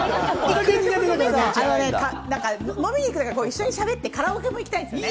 あのね、飲みに行くというか、一緒にしゃべってカラオケも行きたいんですよね。